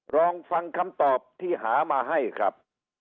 ลองฟังคำตอบที่หามาให้ครับ